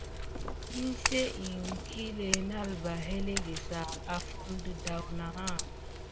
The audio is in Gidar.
Enseŋ iŋkile nalɓa elege sa? Afime de daouna.